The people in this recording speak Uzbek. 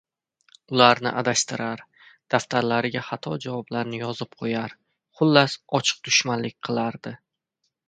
ularni adashtirar, daftarlariga xato javoblarni yozib qoʻyar, xullas, ochiq dushmanlik qilardi.